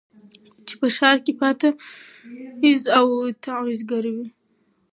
چي په ښار کي پاته پیر او تعویذګروي